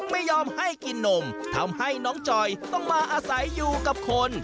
ไม่ยอมให้กินนมทำให้น้องจอยต้องมาอาศัยอยู่กับคน